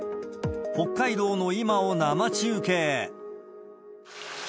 北海道の今を生中継。